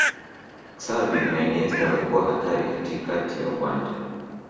xavi na iniesta walikuwa hatari katikati ya uwanja